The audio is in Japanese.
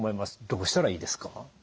どうしたらいいですか？